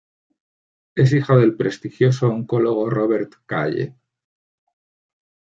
Es hija del prestigioso oncólogo Robert Calle.